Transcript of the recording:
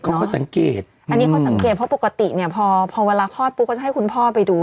อันนี้เขาสังเกตเพราะปกติเนี่ยพอเวลาคลอดปุ๊กก็จะให้คุณพ่อไปดู